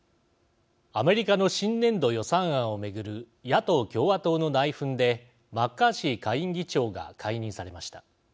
アメリカの新年度予算案を巡る野党・共和党の内紛でマッカーシー下院議長が解任されました。